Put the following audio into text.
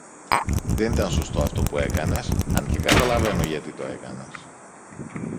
Δεν ήταν σωστό αυτό που έκανες, αν και καταλαβαίνω γιατί το έκανες.